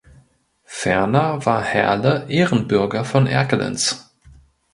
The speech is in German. Ferner war Herle Ehrenbürger von Erkelenz.